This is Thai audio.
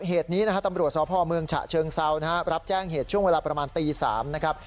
เหตุนี้นะฮะตำรวจสพเมืองฉะเชิงเซานะครับรับแจ้งเหตุช่วงเวลาประมาณตี๓นะครับ